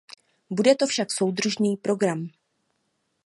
Bude to však soudržný program.